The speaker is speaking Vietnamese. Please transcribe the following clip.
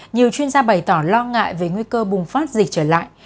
nhiều chuyên gia bày tỏ lo ngại về nguy cơ bùng phát dịch trở lại